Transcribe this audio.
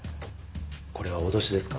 これは脅しですか？